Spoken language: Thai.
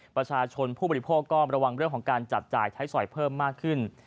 ประชาชนผู้บริโภคก็ระวังเรื่องของการจับจ่ายใช้สอยเพิ่มมากขึ้น